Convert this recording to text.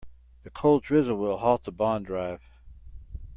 The cold drizzle will halt the bond drive.